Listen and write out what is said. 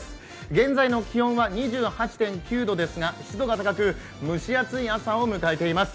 現在の気温は２８．９度ですが、湿度が高く蒸し暑い朝を迎えています。